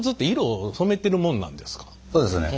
そうですね。